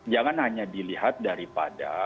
jangan hanya dilihat daripada